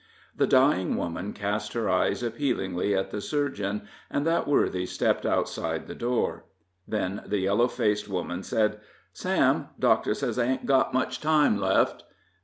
The dying woman cast her eyes appealingly at the surgeon, and that worthy stepped outside the door. Then the yellow faced woman said: "Sam, doctor says I ain't got much time left."